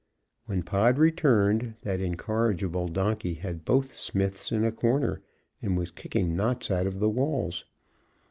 When Pod returned, that incorrigible donkey had both smiths in a corner, and was kicking knots out of the walls.